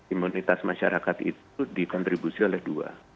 imunitas masyarakat itu dikontribusi oleh dua